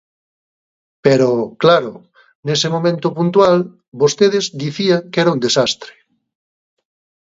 Pero, claro, nese momento puntual, vostedes dicían que era un desastre.